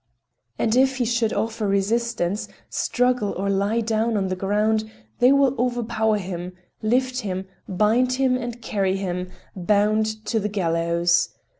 And if he should offer resistance, struggle or lie down on the ground—they will overpower him, lift him, bind him and carry him, bound, to the gallows.